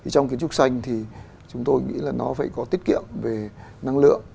trong kiến trúc xanh thì chúng tôi nghĩ là nó phải có tiết kiệm về năng lượng